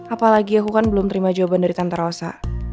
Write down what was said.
apalagi aku kan belum terima jawaban dari tante rosa